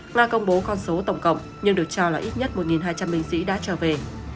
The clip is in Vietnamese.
nga công bố con số tổng cộng nhưng được cho là ít nhất một hai trăm linh binh sĩ đã trở về